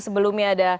sebelumnya ada mas adi